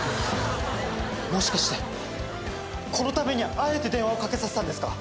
もしかしてこのためにあえて電話をかけさせたんですか！？